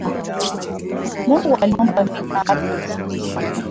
Mungu aliumba bingu na ardhi kwa siku saba.